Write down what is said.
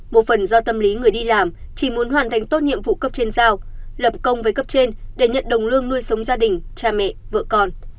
một phần do tâm lý người đi làm chỉ muốn hoàn thành tốt nhiệm vụ cấp trên giao lập công với cấp trên để nhận đồng lương nuôi sống gia đình cha mẹ vợ con